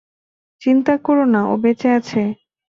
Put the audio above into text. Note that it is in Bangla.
চিন্তা কোরো না, ও বেঁচে আছে।